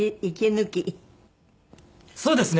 そうですね。